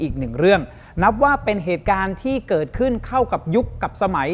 อีกหนึ่งเรื่องนับว่าเป็นเหตุการณ์ที่เกิดขึ้นเข้ากับยุคกับสมัย